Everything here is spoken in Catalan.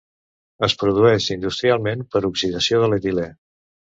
Es produeix industrialment per oxidació de l'etilè.